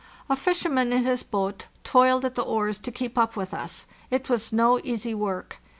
A fisher man in his boat toiled at the oars to keep up with us; it was no easy work.